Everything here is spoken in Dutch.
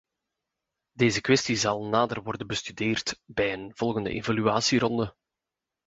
Deze kwestie zal nader worden bestudeerd bij een volgende evaluatieronde.